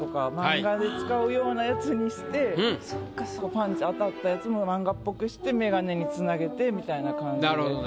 パンチ当たったやつも漫画っぽくしてメガネに繋げてみたいな感じで。